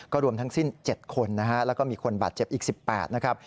รวมทั้งสิ้น๗คนนะฮะแล้วก็มีคนบาดเจ็บอีก๑๘นะครับ